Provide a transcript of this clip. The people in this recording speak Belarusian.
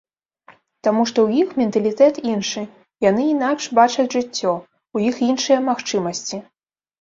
Таму што ў іх менталітэт іншы, яны інакш бачаць жыццё, у іх іншыя магчымасці.